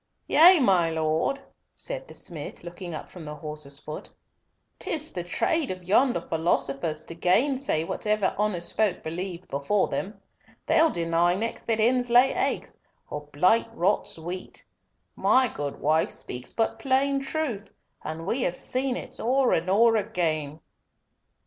"Yea, my Lord," said the smith, looking up from the horse's foot; "'tis the trade of yonder philosophers to gainsay whatever honest folk believed before them. They'll deny next that hens lay eggs, or blight rots wheat. My good wife speaks but plain truth, and we have seen it o'er and o'er again."